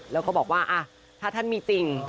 แล้วก็บอกว่าถ้าท่านมีจริง